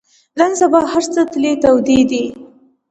نن سبا هر څه تلې تودې دي.